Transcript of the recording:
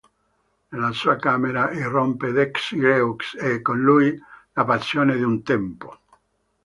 Nella sua camera irrompe Des Grieux e, con lui, la passione di un tempo.